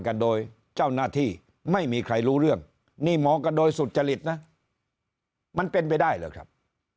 กันโดยเจ้าหน้าที่ไม่มีใครรู้เรื่องนี่มองกันโดยสุจริตนะมันเป็นไปได้หรือครับ